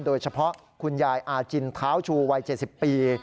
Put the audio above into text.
โดยเฉพาะคุณยายอาจินท้าวชูวัย๗๐ปี